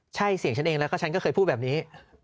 ใช่เสียงฉันเองแล้วก็ฉันก็เคยพูดแบบนี้